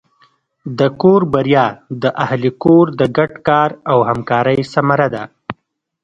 د کور بریا د اهلِ کور د ګډ کار او همکارۍ ثمره ده.